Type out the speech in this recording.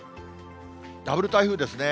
ダブル台風ですね。